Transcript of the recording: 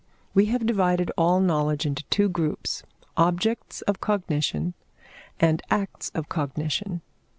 We have divided all knowledge into two groups objects of cognition, and acts of cognition.